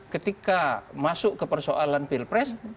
ketika masuk ke persoalan pilpres